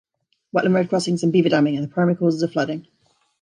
Wetland road crossings and beaver damming are the primary causes of flooding.